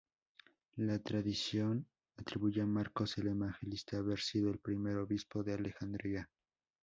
La tradición atribuye a Marcos el Evangelista haber sido el primer obispo de Alejandría.